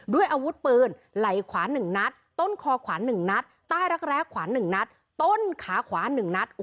ด้วยอาวุธปืนไหลขวานหนึ่งนัดต้นคอขวานหนึ่งนัด